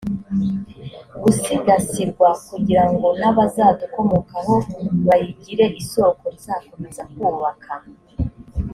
gusigasirwa kugirango n abazadukomokaho bayigire isomo rizakomeza kubaka